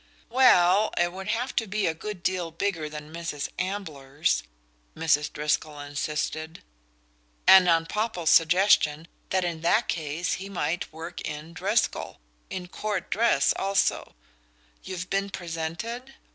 "Well, it would have to be a good deal bigger than Mrs. Ambler's," Mrs. Driscoll insisted; and on Popple's suggestion that in that case he might "work in" Driscoll, in court dress also ("You've been presented?